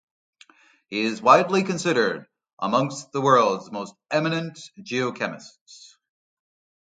He is widely considered among the world's most eminent geochemists.